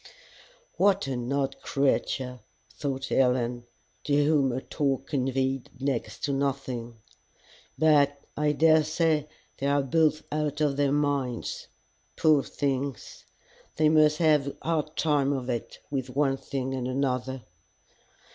"What an odd creature!" thought Helen, to whom her talk conveyed next to nothing. " But I daresay they are both out of their minds. Poor things! they must have a hard time of it with one thing and another!"